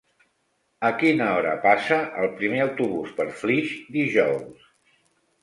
A quina hora passa el primer autobús per Flix dijous?